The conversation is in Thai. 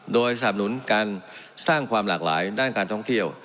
โดยสนับหนุนการสร้างความหลากหลายด้านการท่องเที่ยว